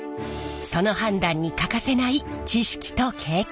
その判断に欠かせない知識と経験。